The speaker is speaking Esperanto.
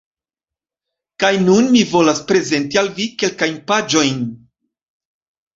Kaj nun mi volas prezenti al vi kelkajn paĝojn